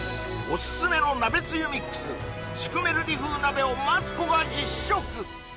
おすすめの鍋つゆミックスシュクメルリ風鍋をマツコが実食！